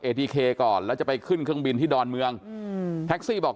ทีเคก่อนแล้วจะไปขึ้นเครื่องบินที่ดอนเมืองอืมแท็กซี่บอก